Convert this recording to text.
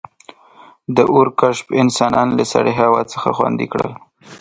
• د اور کشف انسانان له سړې هوا څخه خوندي کړل.